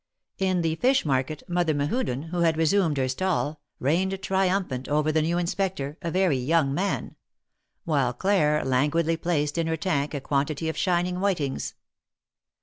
In the fish market. Mother Mehuden, who had resumed her stall, reigned triumphant over the new Inspector, a very young man ; while Claire languidly placed in her tank a quantity of shining whitings.